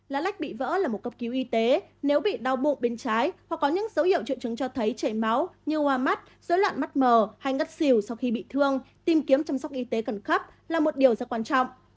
lá lách bị vỡ là một cấp cứu y tế nếu bị đau bụng bên trái hoặc có những dấu hiệu triệu chứng cho thấy chảy máu như hoa mắt dối loạn mắt mờ hay ngất xỉu sau khi bị thương tìm kiếm chăm sóc y tế cẩn cấp là một điều rất quan trọng